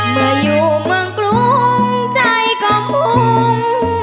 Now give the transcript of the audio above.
เมื่ออยู่เมืองกรุงใจก็พุ่ง